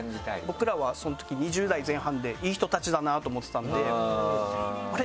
僕らはそのとき２０代前半でいい人たちだなと思ってたんであれ？